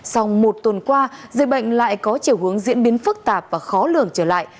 sau một tuần qua dịch bệnh lại có chiều hướng diễn biến phức tạp và khó lường trở lại